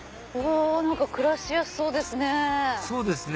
暮らしやすそうですね。